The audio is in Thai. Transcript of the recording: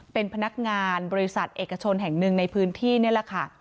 เป็นพนักงานบริษัทเอกชนแห่งหนึ่งในพื้นที่นี่แหละค่ะ